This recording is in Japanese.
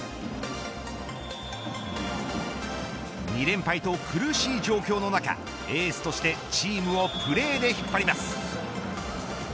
２連敗と苦しい状況の中エースとしてチームをプレーで引っ張ります。